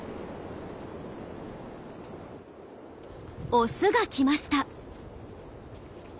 オスが来ました。